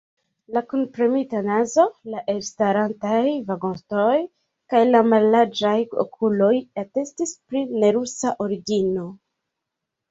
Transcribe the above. La kunpremita nazo, la elstarantaj vangostoj kaj la mallarĝaj okuloj atestis pri nerusa origino.